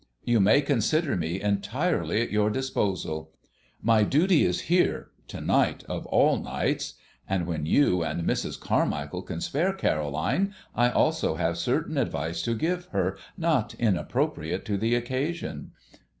"You may consider me entirely at your disposal. My duty is here to night of all nights; and when you and Mrs. Carmichael can spare Caroline, I also have certain advice to give her not inappropriate to the occasion."